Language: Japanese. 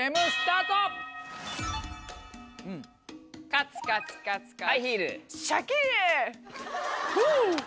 カツカツカツカツ。